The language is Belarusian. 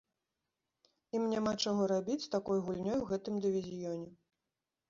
Ім няма чаго рабіць з такой гульнёй у гэтым дывізіёне.